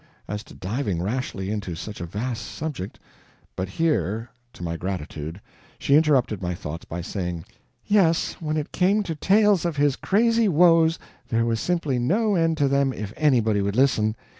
As to diving rashly into such a vast subject " But here, to my gratitude, she interrupted my thoughts by saying: "Yes, when it came to tales of his crazy woes, there was simply no end to them if anybody would listen.